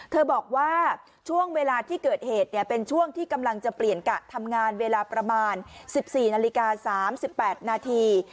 บอกว่าช่วงเวลาที่เกิดเหตุเป็นช่วงที่กำลังจะเปลี่ยนกะทำงานเวลาประมาณ๑๔นาฬิกา๓๘นาที